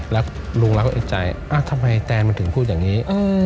แล้วลุงเราก็เอกใจทำไมแตนมันถึงพูดอย่างนี้